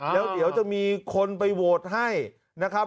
แล้วเดี๋ยวจะมีคนไปโหวตให้นะครับ